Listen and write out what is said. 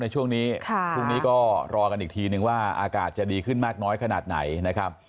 ช่วงนี้พรุ่งนี้ก็รอกันอีกทีนึงว่าอากาศจะดีขึ้นมากน้อยขนาดไหนนะครับ